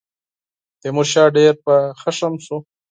تیمورشاه ډېر په غوسه شو.